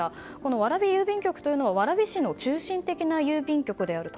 蕨郵便局というのは蕨市の中心的な郵便局であると。